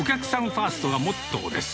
ファーストがモットーです。